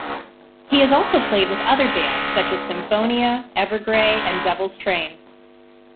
He has also played with other bands such as Symfonia, Evergrey, and Devil's Train.